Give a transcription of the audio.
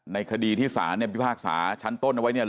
ในคดีที่ศาลเนี่ยพิพากษาชั้นต้นเอาไว้เนี่ย